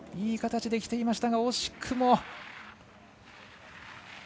いい形できていましたが惜しくも。